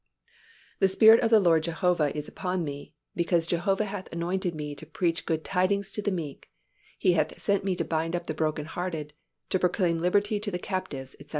"The Spirit of the Lord Jehovah is upon Me; because Jehovah hath anointed Me to preach good tidings to the meek; He hath sent Me to bind up the broken hearted, to proclaim liberty to the captives, etc."